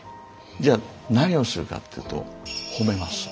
じゃあ何をするかっていうと褒めます。